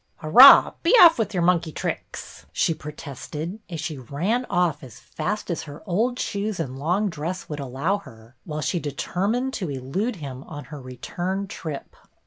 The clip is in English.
" Arrah, be aff wit' yer monkey thricks," she protested, as she ran off as fast as her old shoes and long dress would allow her, while she determined to elude him on her return trip.